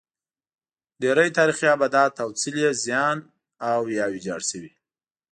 ډېری تاریخي ابدات او څلي یې زیان او یا ویجاړ شوي.